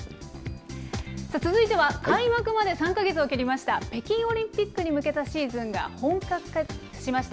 続いては開幕まで３か月を切りました北京オリンピックに向けたシーズンが本格化しました。